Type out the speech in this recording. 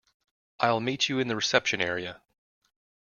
I'll meet you in the reception area.